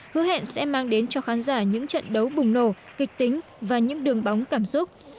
hứa hẹn sẽ mang đến cho khán giả những trận đấu bùng nổ kịch tính và những đường bóng cảm xúc